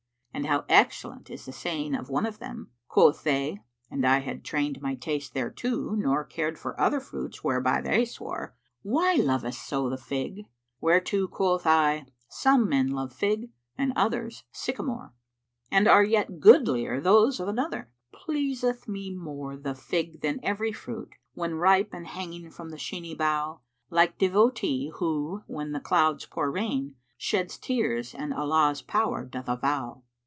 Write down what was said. And how excellent is the saying of one of them, "Quoth they (and I had trained my taste thereto * Nor cared for other fruits whereby they swore), 'Why lovest so the Fig?' whereto quoth I * 'Some men love Fig and others Sycamore.[FN#394]'" And are yet goodlier those of another, "Pleaseth me more the fig than every fruit * When ripe and hanging from the sheeny bough; Like Devotee who, when the clouds pour rain, * Sheds tears and Allah's power doth avow."